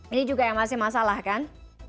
ini juga yang masih masalah kan